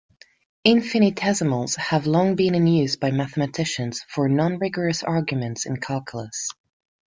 Infinitesimals have long been in use by mathematicians for non-rigorous arguments in calculus.